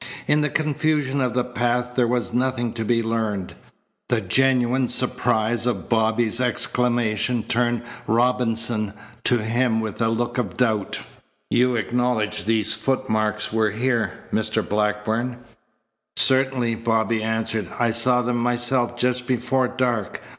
In the confusion of the path there was nothing to be learned. The genuine surprise of Bobby's exclamation turned Robinson to him with a look of doubt. "You acknowledge these footmarks were here, Mr. Blackburn?" "Certainly," Bobby answered. "I saw them myself just before dark.